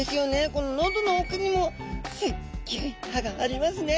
こののどのおくにもすっギョい歯がありますね。